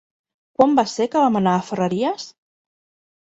Quan va ser que vam anar a Ferreries?